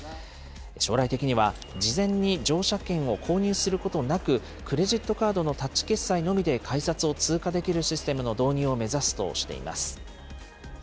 将来的には、事前に乗車券を購入することなく、クレジットカードのタッチ決済のみで改札を通過できるシステムの導入を目指すとしています。